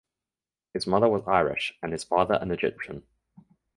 His mother was Irish and his father an Egyptian.